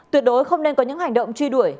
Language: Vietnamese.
tuyệt đối không nên có những hành động truy đuổi